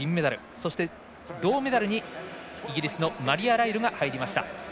そして、銅メダルにイギリスのマリア・ライルが入りました。